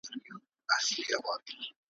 تر څو يوه قافله ئې پيدا کړي.